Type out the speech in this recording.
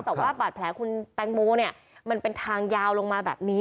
แต่ว่าบาดแผลคุณแตงโมเนี่ยมันเป็นทางยาวลงมาแบบนี้